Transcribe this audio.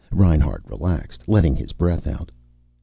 Reinhart relaxed, letting his breath out.